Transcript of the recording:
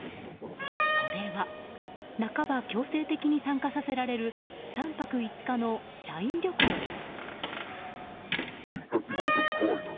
それは、半ば強制的に参加させられる３泊５日の社員旅行です。